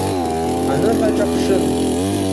Аныҳәаҿа ԥшын.